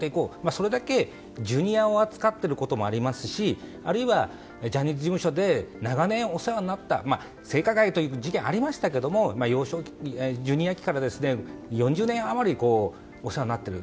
それだけＪｒ．を扱っていることもありますしあるいはジャニーズ事務所で長年お世話になった性加害という事件はありましたがＪｒ．期から４０年以上お世話になっている。